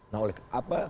nah oleh apa